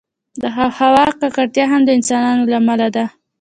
د هوا ککړتیا هم د انسانانو له امله ده.